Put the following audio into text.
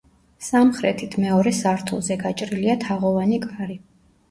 სამხრეთით, მეორე სართულზე გაჭრილია თაღოვანი კარი.